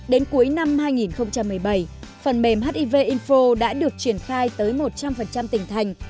đến cuối năm hai nghìn một mươi bảy phần mềm hiv info đã được triển khai tới một trăm linh tỉnh thành